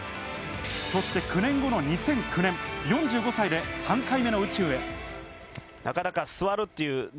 そして９年後の２００９年、４５歳で３回目の宇宙へ。